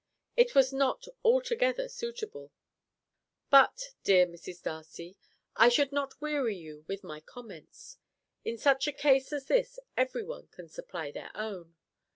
It was not altogether suitable but, dear Mrs. Darcy, I should not weary you with my comments. In such a case as this everyone can supply their own.